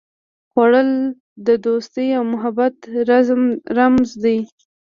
خوړل د دوستي او محبت رمز دی